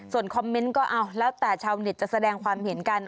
ส่วนคอมเมนต์ก็เอาแล้วแต่ชาวเน็ตจะแสดงความเห็นกัน